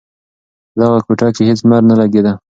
په دغه کوټه کې هېڅ لمر نه لگېده.